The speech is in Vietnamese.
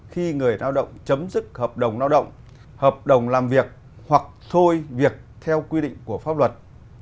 khi người lao động chấm dứt hợp đồng lao động hợp đồng làm việc hoặc thôi việc theo quy định của pháp luật